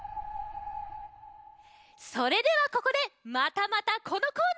それではここでまたまたこのコーナー！